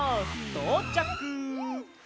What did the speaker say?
とうちゃく。